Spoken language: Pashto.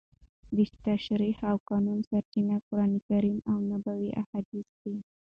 د تشریع او قانون سرچینه قرانکریم او نبوي احادیث دي.